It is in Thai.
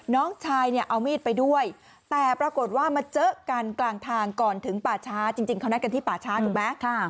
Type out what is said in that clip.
น้องชายเนี่ยเอามีดไปด้วยแต่ปรากฏว่ามาเจอกันกลางทางก่อนถึงป่าช้าจริงเขานัดกันที่ป่าช้าถูกไหม